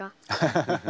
ハハハハハ。